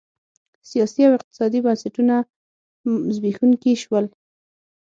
سیاسي او اقتصادي بنسټونه زبېښونکي شول